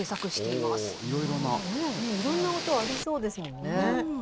いろんな音ありそうですもんね。